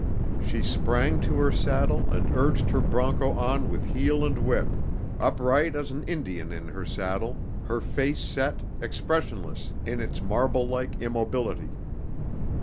She sprang to her saddle and urged her broncho on with heel and whip, upright as an Indian in her saddle, her face set, expressionless in its marble like immobility.